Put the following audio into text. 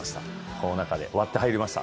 この中で割って入りました。